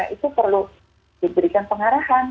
itu perlu diberikan pengarahan